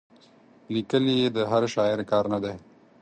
لیکل یې د هر شاعر کار نه دی.